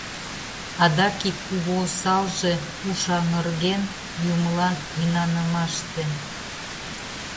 Адак ик кугу осалже — уш аҥырген, юмылан инанымаште.